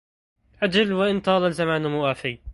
أجل وإن طال الزمان موافي